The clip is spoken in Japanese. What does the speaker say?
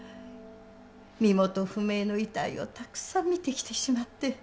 身元不明の遺体をたくさん見てきてしまって。